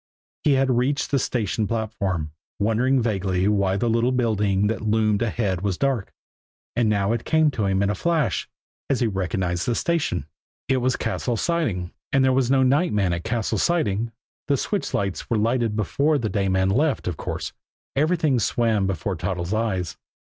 He had reached the station platform, wondering vaguely why the little building that loomed ahead was dark and now it came to him in a flash, as he recognized the station. It was Cassil's Siding and there was no night man at Cassil's Siding! The switch lights were lighted before the day man left, of course. Everything swam before Toddles' eyes.